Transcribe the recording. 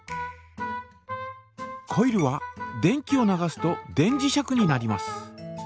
コイルは電気を流すと電磁石になります。